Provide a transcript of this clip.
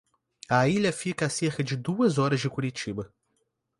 A ilha fica a cerca de duas horas de Curitiba.